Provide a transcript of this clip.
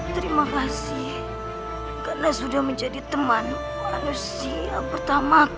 terima kasih karena sudah menjadi teman manusia pertama aku